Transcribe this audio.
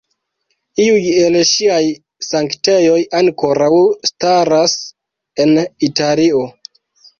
Iuj el ŝiaj sanktejoj ankoraŭ staras en Italio.